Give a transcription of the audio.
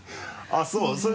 あぁそう。